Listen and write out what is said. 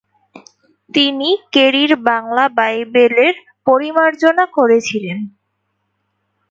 তিনি কেরির বাংলা বাইবেলের পরিমার্জনা করেছিলেন ।